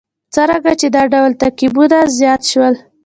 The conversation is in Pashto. څرنګه چې دا ډول تعقیبونه زیات شول.